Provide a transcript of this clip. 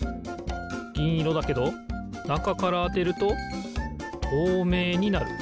ぎんいろだけどなかからあてるととうめいになる。